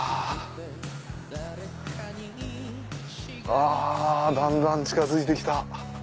あだんだん近づいてきた。